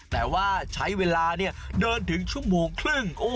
แต่ว่าใช้เวลาเดินถึงชั่วโมงครึ่ง